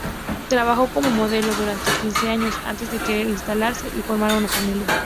Trabajó como modelo durante quince años antes de querer instalarse y formar una familia.